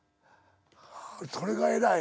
それが偉い。